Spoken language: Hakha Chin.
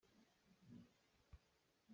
Ka pa cu pialral ah aa din cang.